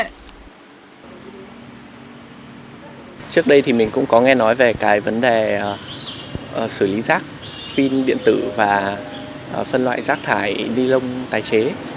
trước đây thì mình cũng có nghe nói về cái vấn đề xử lý rác pin điện tử và phân loại rác thải ni lông tái chế